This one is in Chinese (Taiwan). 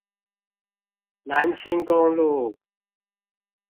南清公路